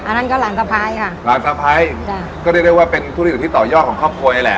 อันนั้นก็หลานสะพายค่ะหลานสะพายค่ะก็ได้เรียกว่าเป็นทุริยุที่ต่อยอกของครอบครัวไอ้แหละ